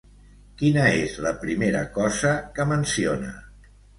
Quina és la primera cosa que menciona?